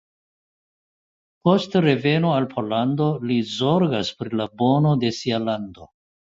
Post reveno al Pollando li zorgas pri la bono de sia lando.